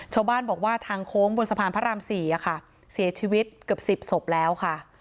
ชาวบ้านบอกว่าทางโค้งบนสะพานพระราม๔เสียชีวิตเกือบ๑๐ศพแล้วค่ะ